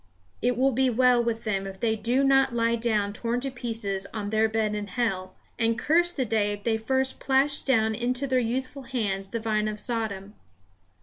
It will be well with them if they do not lie down torn to pieces on their bed in hell, and curse the day they first plashed down into their youthful hands the vine of Sodom.